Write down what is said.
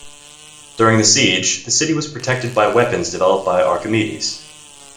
During the siege, the city was protected by weapons developed by Archimedes.